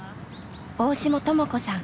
大志茂智子さん